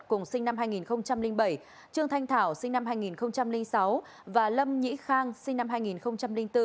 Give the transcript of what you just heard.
cùng sinh năm hai nghìn bảy trương thanh thảo sinh năm hai nghìn sáu và lâm nhĩ khang sinh năm hai nghìn bốn